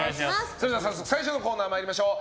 それでは早速最初のコーナー参りましょう。